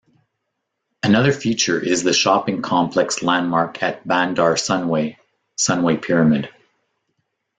Another feature is the shopping complex landmark at Bandar Sunway, Sunway Pyramid.